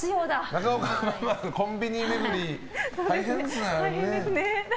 中岡ママ、コンビニ巡り大変ですね。